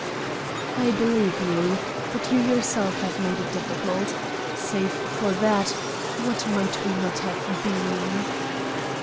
"I believe you. But you yourself have made it difficult. Save for that, what might we not have been!"